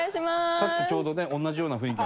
さっきちょうどね同じような雰囲気。